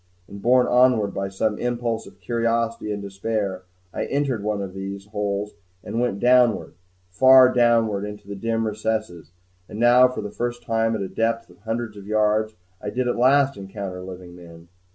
And, borne onward by some impulse of curiosity and despair, I entered one of these holes, and went downward, far downward into the dim recesses. And now for the first time, at a depth of hundreds of yards, I did at last encounter living men.